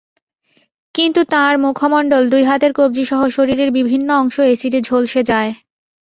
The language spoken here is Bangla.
কিন্তু তাঁর মুখমণ্ডল, দুই হাতের কবজিসহ শরীরের বিভিন্ন অংশ অ্যাসিডে ঝলসে যায়।